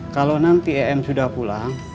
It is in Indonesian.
kalau nanti em sudah pulang